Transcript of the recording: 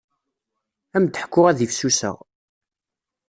Ad m-d-ḥkuɣ ad ifsuseɣ.